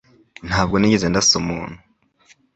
Ntabwo nigeze ndasa umuntu